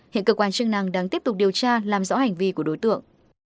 hiện cơ quan chức năng đang tiếp tục điều tra làm rõ hành vi của đối tượng